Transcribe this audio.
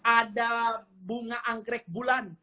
ada bunga angkrek bulan